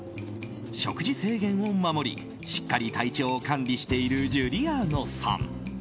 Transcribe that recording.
食事制限を守りしっかり体調を管理しているジュリアーノさん。